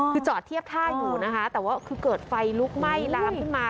คือจอดเทียบท่าอยู่นะคะแต่ว่าคือเกิดไฟลุกไหม้ลามขึ้นมา